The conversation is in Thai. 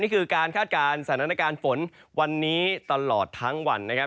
นี่คือการคาดการณ์สถานการณ์ฝนวันนี้ตลอดทั้งวันนะครับ